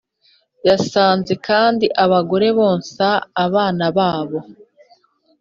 Yasanze kandi abagore bonsa abana babo.